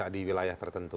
di wilayah tertentu